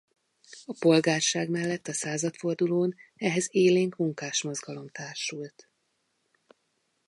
A polgárság mellett a századfordulón ehhez élénk munkásmozgalom társult.